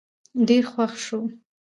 ډېر خوښ شو